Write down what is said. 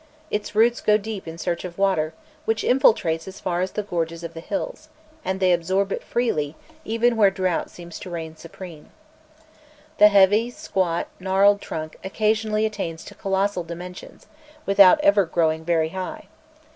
Its roots go deep in search of water, which infiltrates as far as the gorges of the hills, and they absorb it freely, even where drought seems to reign supreme. The heavy, squat, gnarled trunk occasionally attains to colossal dimensions, without ever growing very high.